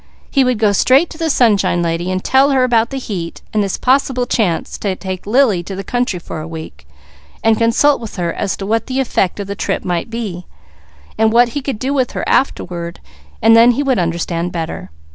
He would go straight to the Sunshine Nurse, tell her about the heat and this possible chance to take Lily to the country for a week, and consult with her as to what the effect of the trip might be, and what he could do with her afterward, then he would understand better.